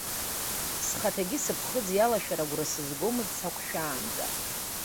Схаҭагьы сыԥхыӡ иалашәар, агәра сызгомызт сақәшәаанӡа.